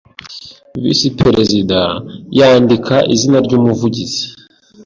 Visi Perezida yandika izina ry Umuvugizi